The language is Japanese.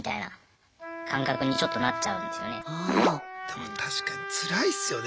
でも確かにつらいっすよね。